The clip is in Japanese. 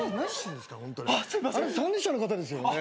あなた参列者の方ですよね？